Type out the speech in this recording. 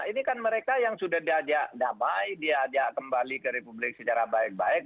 ini kan mereka yang sudah diajak damai diajak kembali ke republik secara baik baik